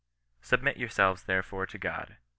" Submit yourselves therefore to God.